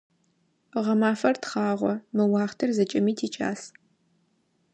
Гъэмафэр тхъагъо, мы уахътэр зэкӀэми тикӀас.